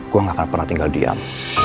gue gak akan pernah tinggal diam